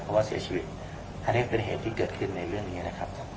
เขาก็เสียชีวิตถ้าเรียกเป็นเหตุที่เกิดขึ้นในเรื่องอย่างเงี้ยนะครับ